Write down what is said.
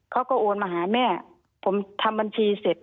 เขาก็โอนมาหาแม่ผมทำบัญชีเสร็จ